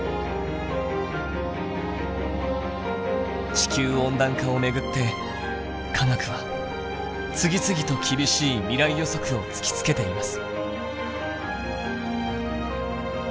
地球温暖化を巡って科学は次々と厳しい未来予測を突きつけています。